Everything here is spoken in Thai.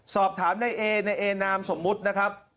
สอบถามในเอในเอนามสมมุตินะครับ